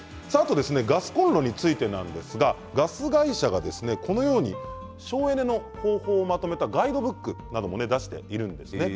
ガスコンロについてはガス会社がこのように省エネの方法をまとめたガイドブックなども出しているんです。